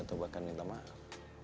atau bahkan minta maaf